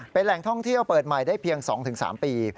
เป็นแหล่งท่องเที่ยวเปิดใหม่ได้เพียง๒๓ปี